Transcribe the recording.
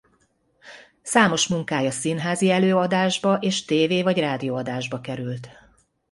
Számos munkája színházi előadásba és tv- vagy rádióadásba került.